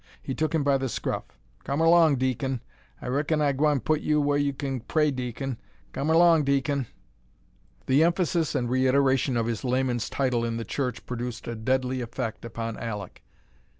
He took him by the scruff. "Come erlong, deacon. I raikon I gwine put you wah you kin pray, deacon. Come erlong, deacon." The emphasis and reiteration of his layman's title in the church produced a deadly effect upon Alek.